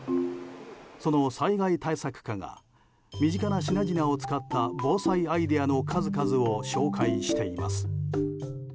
その災害対策課が身近な品々を使った防災アイデアの数々を紹介しています。